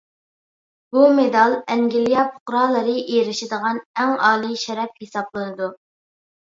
بۇ مېدال ئەنگلىيە پۇقرالىرى ئېرىشىدىغان ئەڭ ئالىي شەرەپ ھېسابلىنىدۇ.